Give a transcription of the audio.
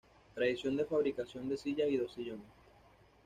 Tradición de fabricación de sillas y de sillones.